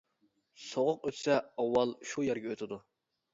سوغۇق ئۆتسە ئاۋۋال شۇ يەرگە ئۆتىدۇ.